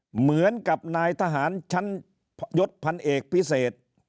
เหมือนกับนายทหารชั้นยศพันเอกพิเศษ